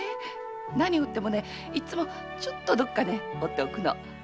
何を折ってもいつもちょっとどっか折っておくの。